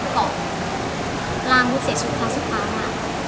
และรองดูเสียชุดขงาสุว้ามาก